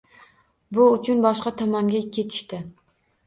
Bu uchun boshqa tomonga ketishdi.